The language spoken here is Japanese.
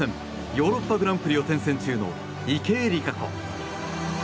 ヨーロッパグランプリを転戦中の池江璃花子。